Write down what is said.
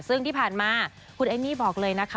ซึ่งที่ผ่านมาคุณเอมมี่บอกเลยนะคะ